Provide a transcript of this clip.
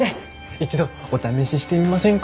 一度お試ししてみませんか？